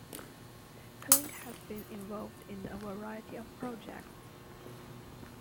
Clink has been involved in a variety of projects.